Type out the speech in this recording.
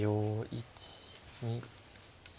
１２３。